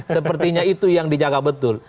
sepertinya itu yang dijaga betul